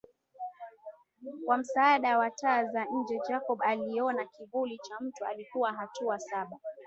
Kwa msaada wa taa za nje Jacob aliona kivuli cha mtu alikuwa hatua saba